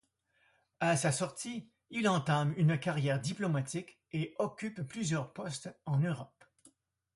À sa sortie, il entame une carrière diplomatique et occupe plusieurs postes en Europe.